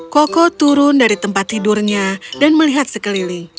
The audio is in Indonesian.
koko turun dari tempat tidurnya dan melihat sekeliling